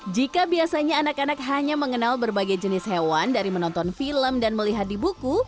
jika biasanya anak anak hanya mengenal berbagai jenis hewan dari menonton film dan melihat di buku